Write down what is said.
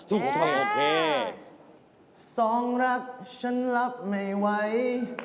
สองรักฉันรับไม่ไหว